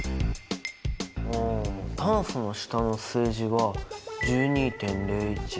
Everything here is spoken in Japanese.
炭素の下の数字は１２．０１。